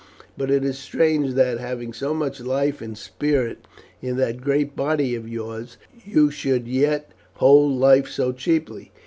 But it is strange that, having so much life and spirit in that great body of yours, you should yet hold life so cheaply.